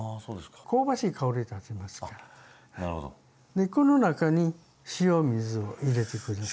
でこの中に塩水を入れて下さい。